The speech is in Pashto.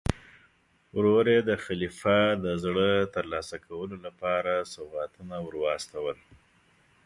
ورور یې د خلیفه د زړه ترلاسه کولو لپاره سوغاتونه ور واستول.